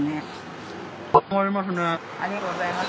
ありがとうございます。